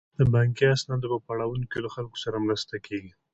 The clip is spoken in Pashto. د بانکي اسنادو په پړاوونو کې له خلکو سره مرسته کیږي.